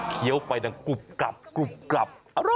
เคี้ยวไปแล้วกลุบกลับ